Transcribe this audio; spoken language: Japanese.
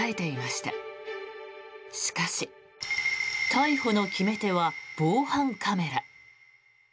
しかし、逮捕の決め手は防犯カメラ。